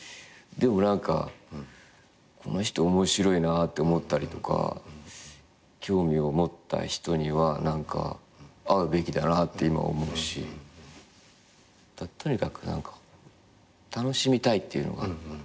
でも何かこの人面白いなって思ったりとか興味を持った人には何か会うべきだなって思うしとにかく何か楽しみたいっていうのが。